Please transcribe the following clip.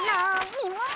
みもも